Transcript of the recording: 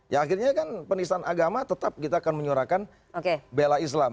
ya akhirnya kan penistaan agama tetap kita akan menyuarakan bela islam